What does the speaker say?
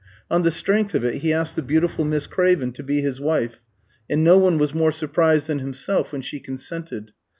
On the strength of it he asked the beautiful Miss Craven to be his wife, and no one was more surprised than himself when she consented.